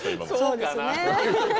そうかな。